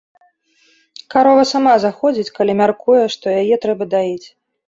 Карова сама заходзіць, калі мяркуе, што яе трэба даіць.